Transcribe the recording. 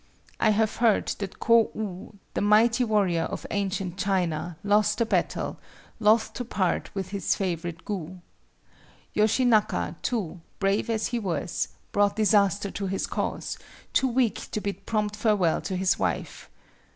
I have heard that Kō u, the mighty warrior of ancient China, lost a battle, loth to part with his favorite Gu. Yoshinaka, too, brave as he was, brought disaster to his cause, too weak to bid prompt farewell to his wife.